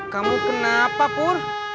kamu kenapa pur